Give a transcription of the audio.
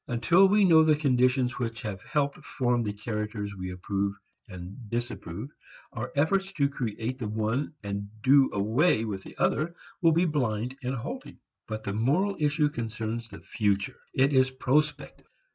Until we know the conditions which have helped form the characters we approve and disapprove, our efforts to create the one and do away with the other will be blind and halting. But the moral issue concerns the future. It is prospective.